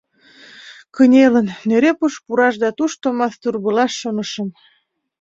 Кынелын, нӧрепыш пураш да тушто мастурбылаш шонышым.